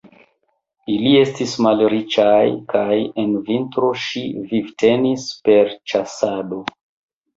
Ili estis malriĉaj kaj en vintro sin vivtenis per ĉasado.